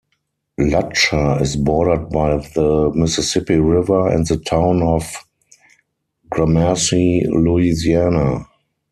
Lutcher is bordered by the Mississippi River and the Town of Gramercy, Louisiana.